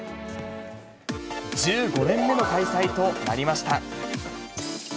１５年目の開催となりました。